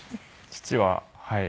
父ははい。